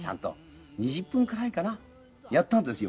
２０分くらいかなやったんですよ